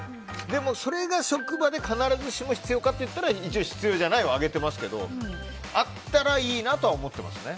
でもそれが職場で必ずしも必要かって言ったら、一応必要じゃないを上げていますけどあったらいいなと思っていますね。